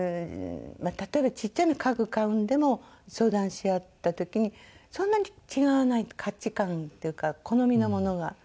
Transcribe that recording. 例えばちっちゃな家具買うんでも相談し合った時にそんなに違わない価値観というか好みのものが。